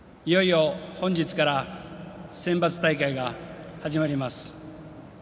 いよいよ本日からセンバツ大会が始まります。